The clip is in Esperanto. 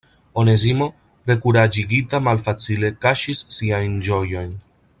Onezimo rekuraĝigita malfacile kaŝis sian ĝojon.